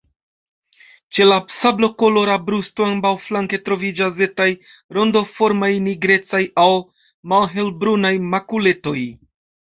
Ĉe la sablokolora brusto ambaŭflanke troviĝas etaj, rondoformaj nigrecaj al malhelbrunaj makuletoj.